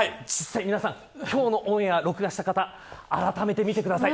今日のオンエア録画した方あらためて見てください。